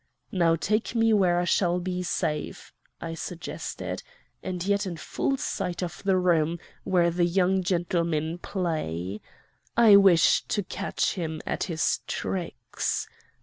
'Now take me where I shall be safe,' I suggested, 'and yet in full sight of the room where the young gentlemen play. I wish to catch him at his tricks.